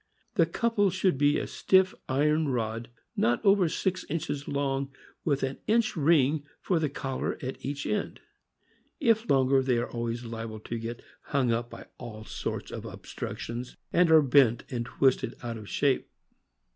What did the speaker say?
The couple should be a stiff iron rod, not over six inches long, with an inch ring for the collar at each end. If longer, they are always liable 208 THE AMEEICAN BOOK OF THE DOG. to get hung by all sorts of obstructions, and are bent and twisted out of shape.